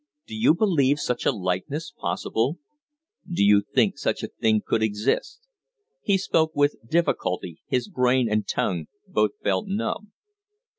Do you believe such a likeness possible? Do you think such a thing could exist?" He spoke with difficulty; his brain and tongue both felt numb.